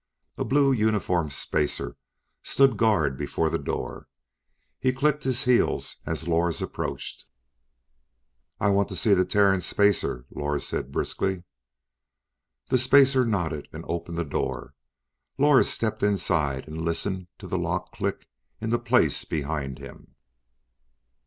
A blue uniformed spacer stood guard before the door. He clicked his heels as Lors approached. "I want to see the Terran, spacer," Lors said briskly. The spacer nodded and opened the door. Lors stepped inside and listened to the lock click into place behind him.